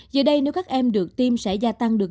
giờ đây nếu các em được tiêm sẽ gia tăng được